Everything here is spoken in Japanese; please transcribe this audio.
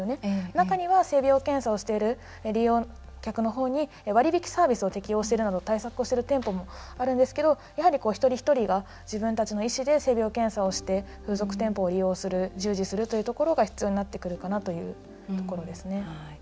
中には性病検査をしている利用客に割引するなどしている店舗もあるんですけどやはり一人一人が自分たちの意思で性病検査をして風俗店舗を利用する従事することが必要になってくるかなというところですね。